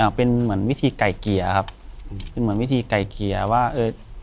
อ่าเป็นเหมือนวิธีไก่เกียร์ครับอืมเป็นเหมือนวิธีไก่เกียร์ว่าเออ